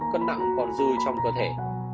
cân nặng còn dư trong cơ thể